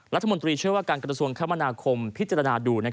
รัฐมนตรีเชื่อว่าการกระทรวงคมนาคมพิจารณาดู